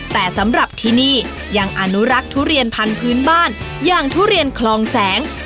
แต่สำหรับที่นี่ยังอนุรักษ์ทุเรียนพันธุ์พื้นบ้านอย่างทุเรียนคลองแสง